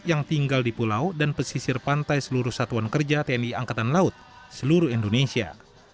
yang tinggal di pulau dan pesisir pantai seluruh satuan kerja tni angkatan laut seluruh indonesia